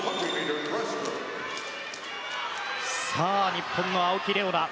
さあ、日本の青木玲緒樹。